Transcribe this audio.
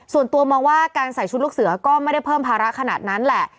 ส่วนตัวมองว่าการใส่ชุดลูกเสือก็ไม่ได้เพิ่มภาระขนาดนั้นแหละ